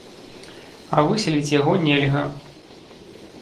А выселіць яго нельга.